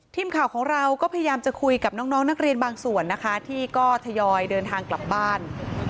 ทีมข่าวของเราก็พยายามจะคุยกับน้องนักเรียนบางส่วนนะคะที่ก็ทยอยเดินทางกลับบ้าน